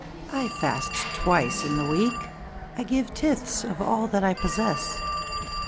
I fast Twice in the week, and also I give tithes Of all that I possess!